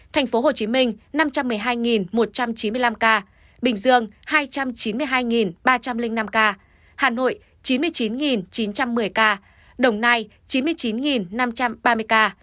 trong đợt dịch này thành phố hồ chí minh năm trăm một mươi hai một trăm chín mươi năm ca bình dương hai trăm chín mươi hai ba trăm linh năm ca hà nội chín mươi chín chín trăm một mươi ca đồng nai chín mươi chín năm trăm ba mươi ca và tây ninh tám mươi sáu năm trăm năm mươi ba ca